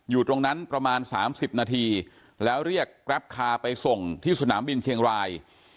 อยู่ตรงนั้นประมาณ๓๐นาทีแล้วเรียกแกรปคาร์ไปส่งที่สนามบินเชียงราย